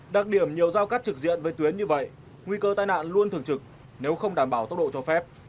đặc điểm nhiều giao cắt trực diện với tuyến như vậy nguy cơ tai nạn luôn thường trực nếu không đảm bảo tốc độ cho phép